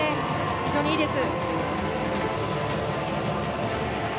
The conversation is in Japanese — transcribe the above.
非常にいいです。